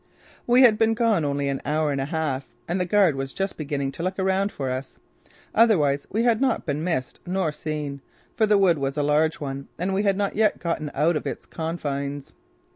We had been gone only an hour and a half and the guard was just beginning to look around for us. Otherwise we had not been missed nor seen, for the wood was a large one and we had not yet gotten out of its confines.